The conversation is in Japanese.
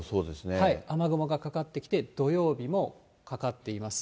雨雲がかかってきて、土曜日もかかっています。